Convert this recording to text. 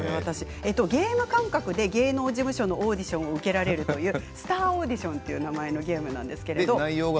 ゲーム感覚で芸能事務所のオーディションを受けられるスタアオーディションという名前のゲームです。